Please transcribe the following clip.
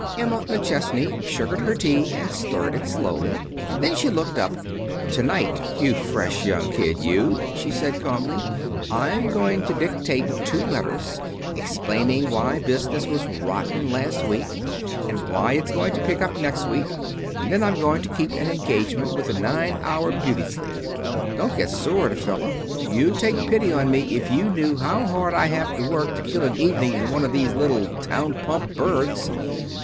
Emma McChesney sugared her tea, and stirred it, slowly. Then she looked up. "To night, you fresh young kid, you!" she said calmly, "I'm going to dictate two letters, explaining why business was rotten last week, and why it's going to pick up next week, and then I'm going to keep an engagement with a nine hour beauty sleep." "Don't get sore at a fellow. You'd take pity on me if you knew how I have to work to kill an evening in one of these little townpump burgs.